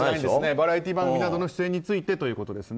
バラエティー番組などの出演についてということですね。